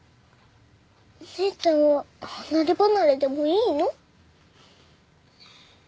お姉ちゃんは離れ離れでもいいの？